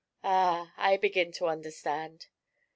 'Ah! I begin to understand.'